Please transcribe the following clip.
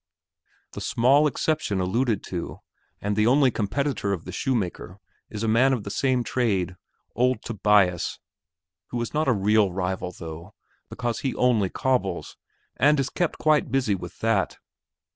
The small exception alluded to, and the only competitor of the shoemaker is a man of the same trade, old Tobias, who is not a real rival, though, because he only cobbles and is kept quite busy with that.